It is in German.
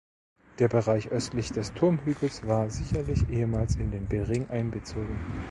Der Bereich östlich des Turmhügels war sicherlich ehemals in den Bering einbezogen.